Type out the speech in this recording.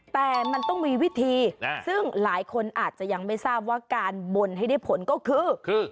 แต่มันต้องมีวิธีซึ่งหลายคนอาจจะยังไม่ทราบว่าการบนให้ได้ผลก็คือ